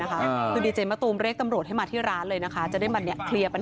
ไม่กูซีเรียสนะมึงต้องยอมรับกว่ามึงพูดรึเปล่า